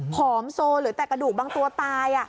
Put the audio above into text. ผอมโซเหลือแต่กระดูกบางตัวตาย